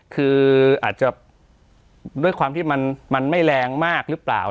คืออาจจะด้วยความที่มันไม่แรงมากหรือเปล่า